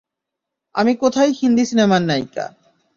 আমি কোথায় হিন্দি সিনেমার নায়িকা?